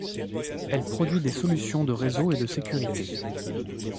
Elle produit des solutions de réseau et de sécurité.